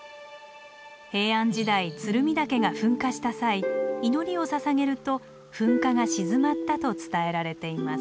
平安時代鶴見岳が噴火した際祈りをささげると噴火が鎮まったと伝えられています。